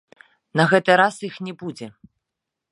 На гэты раз іх не будзе.